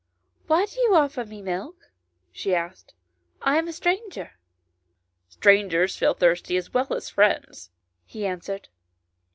" Why do you offer me milk ?" she asked ;" I am a stranger." "Strangers feel thirsty as well as friends," he answered.